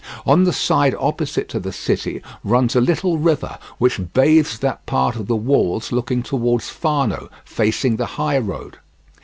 On the side opposite to the city runs a little river which bathes that part of the walls looking towards Fano, facing the high road.